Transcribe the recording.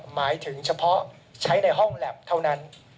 หมายถึงเฉพาะใช้ในห้องแล็บเท่านั้น